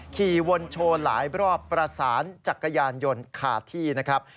ขี่วนโชว์หลายรอบประสานจักรยานยนต์ขาดที่นะครับ